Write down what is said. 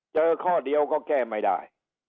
เจอข้อเดียวก็แก้ไม่ได้